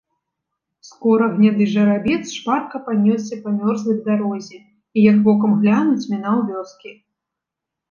Скора гняды жарабец шпарка панёсся па мёрзлай дарозе і, як вокам глянуць, мінаў вёскі.